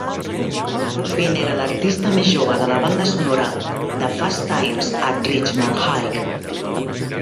Goffin era l'artista més jove de la banda sonora de "Fast Times at Ridgemont High".